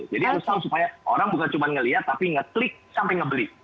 jadi harus tahu supaya orang bukan cuma ngelihat tapi ngeklik sampai ngebeli